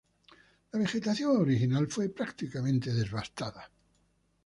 La vegetación original fue prácticamente devastada.